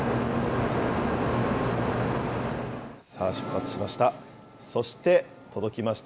さあ、出発しました。